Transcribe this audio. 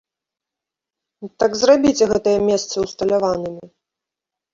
Так зрабіце гэтыя месцы усталяванымі!